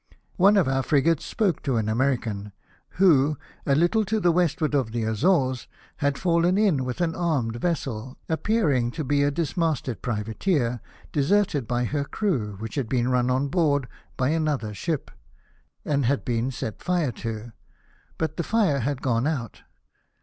One of our frigates spoke an American, who, a little to the westward of the Azores, had fallen in with an armed vessel, ap pearmg to be a dismasted privateer, deserted by her crew, which had been run on board by another ship, and had been set Are to; but the fire had gone out.